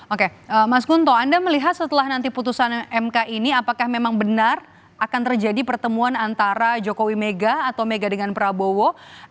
oke mas gunto anda melihat setelah nanti putusan mk ini apakah memang benar akan terjadi pertemuan antara jokowi mega atau mega dengan prabowo